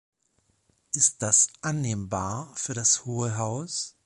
Ist das annehmbar für das Hohe Haus?